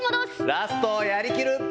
ラストやりきる。